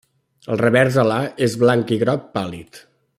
El revers alar és blanc i groc pàl·lid.